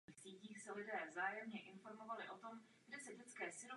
Možná právě tato cesta bude finálním řešením léku proti malárii.